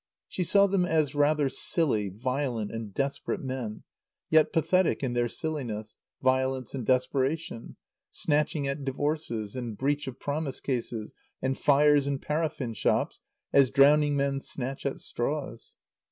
She saw them as rather silly, violent and desperate men, yet pathetic in their silliness, violence and desperation, snatching at divorces, and breach of promise cases, and fires in paraffin shops, as drowning men snatch at straws.